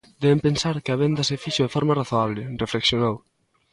"Deben pensar que a venda se fixo de forma razoable", reflexionou.